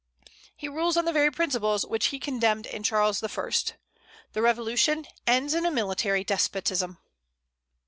He rules on the very principles which he condemned in Charles I. The revolution ends in a military despotism.